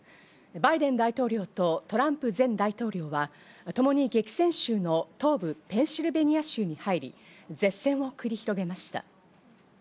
バイデン大統領とトランプ前大統領はともに激戦州の東部ペンシルベニア州に入り舌戦を繰り広げました。